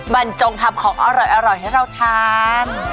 บรรจงทำของอร่อยให้เราทาน